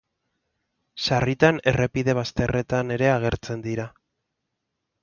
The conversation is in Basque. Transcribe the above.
Sarritan errepide bazterretan ere agertzen dira.